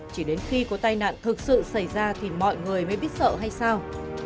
chỉ đến khi có tai nạn thực sự xảy ra thì mọi người mới biết sợ hay sao